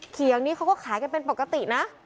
เขียงนี้เขาก็ขายกันเป็นปกตินะ